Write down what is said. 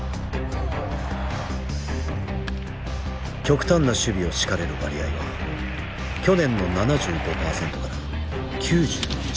極端な守備を敷かれる割合は去年の７５％から９１％に上昇。